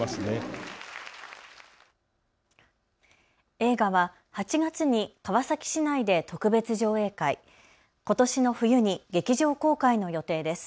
映画は８月に川崎市内で特別上映会、ことしの冬に劇場公開の予定です。